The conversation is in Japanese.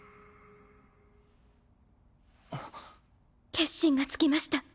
決心がつきました。